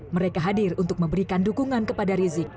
mereka hadir untuk memberikan dukungan kepada rizik